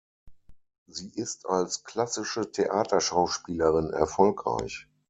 Sie ist als klassische Theaterschauspielerin erfolgreich.